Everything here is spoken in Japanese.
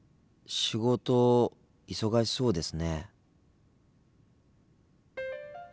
「仕事忙しそうですね」。